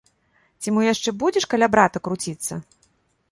Ці мо яшчэ будзеш каля брата круціцца?